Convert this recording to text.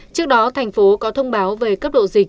trước đó thành phố có thông báo về cấp độ dịch